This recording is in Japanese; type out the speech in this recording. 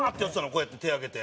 こうやって手上げて。